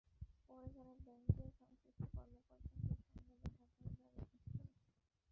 পরে তাঁরা ব্যাংকের সংশ্লিষ্ট কর্মকর্তাদের সঙ্গে দেখা করে দাবি পেশ করেন।